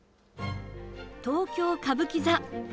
東京・歌舞伎座。